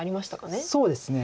そうですね。